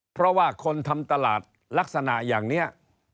เพราะว่าคนทำตลาดลักษณะอย่างนี้